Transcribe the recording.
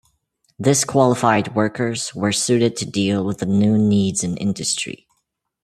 This qualified workers were suited to deal with the new needs in industry.